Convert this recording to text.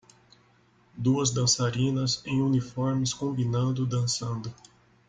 Duas dançarinas em uniformes combinando dançando.